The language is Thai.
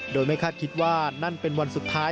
โดยไม่คาดคิดว่านั่นเป็นวันสุดท้าย